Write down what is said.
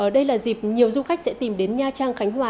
đây là dịp nhiều du khách sẽ tìm đến nha trang khánh hòa